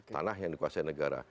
tanah yang dikuasai negara